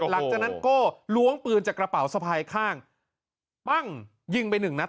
หลังจากนั้นโก้ล้วงปืนจากกระเป๋าสะพายข้างปั้งยิงไปหนึ่งนัด